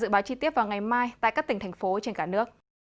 dự báo chi tiết vào ngày mai tại các tỉnh thành phố trên cả nước